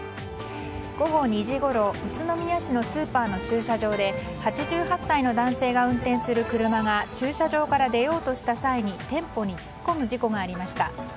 午後２時ごろ宇都宮市のスーパーの駐車場で８８歳の男性が運転する車が駐車場から出ようとした際に店舗に突っ込む事故がありました。